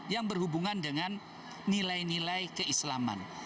yang berhubungan dengan nilai nilai keislaman